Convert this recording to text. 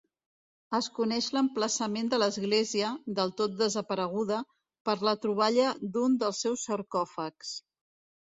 Es coneix l'emplaçament de l'església, del tot desapareguda, per la troballa d'un dels seus sarcòfags.